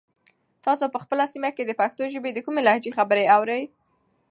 تاسو په خپله سیمه کې د پښتو ژبې د کومې لهجې خبرې اورئ؟